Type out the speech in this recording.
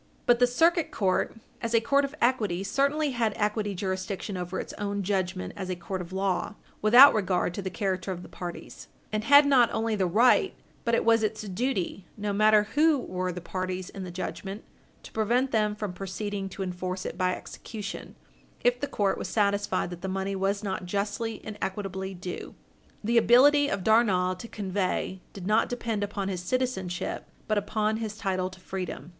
But the Circuit Court as a court of equity certainly had equity jurisdiction over its own judgment as a court of law, without regard to the character of the parties, and had not only the right, but it was its duty no matter who were the parties in the judgment to prevent them from proceeding to enforce it by execution if the court was satisfied that the money was not justly and equitably due. The ability of Darnall to convey did not depend upon his citizenship, but upon his title to freedom.